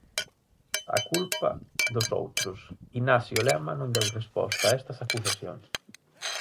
A culpa, "dos outros": Ignacio Lema non deu resposta a estas acusacións.